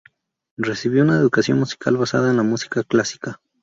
Recibió una educación musical basada en la música clásica.